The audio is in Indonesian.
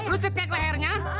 lu cekek lehernya